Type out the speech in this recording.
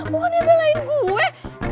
bukannya belain gue